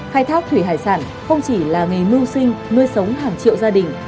khai thác thủy hải sản không chỉ là nghề mưu sinh nuôi sống hàng triệu gia đình